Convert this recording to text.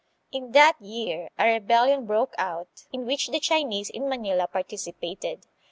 In that year a rebellion broke out, in which the Chinese in Manila participated.